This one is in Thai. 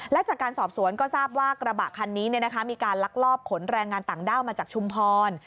และจากการสอบสวนก็ทราบว่ากระบะคันนี้มีการลักลอบขนแรงงานต่างด้าวมาจากชุมพร